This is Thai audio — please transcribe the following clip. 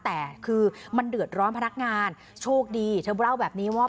แต่คือมันเดือดร้อนพนักงานโชคดีเธอเล่าแบบนี้ว่า